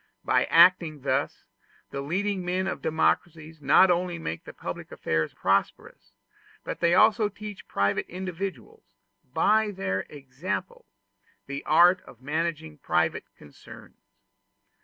By acting thus, the leading men of democracies not only make public affairs prosperous, but they also teach private individuals, by their example, the art of managing private concerns.